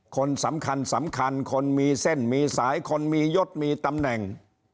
คนสำคัญสำคัญคนมีเส้นมีสายคนมียศมีตำแหน่ง